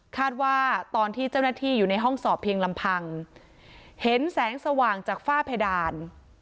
ว่าตอนที่เจ้าหน้าที่อยู่ในห้องสอบเพียงลำพังเห็นแสงสว่างจากฝ้าเพดาน